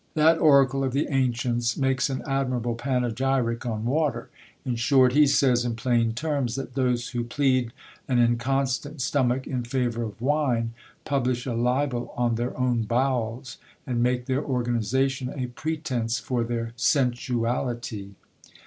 That oracle of the ancients makes an admirable panegyric on water ; in short, he says in plain terms that those who plead an inconstant stomach in favour of wine, publish a libel on their own bowels, and make their organization a pretence for their sensuality.